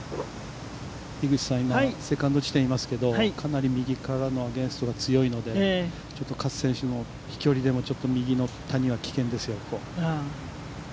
樋口さん、今、セカンド地点にいますけど、かなり右からのアゲインストが強いので、ちょっと勝選手の飛距離でもちょっと右の谷は危険ですよ。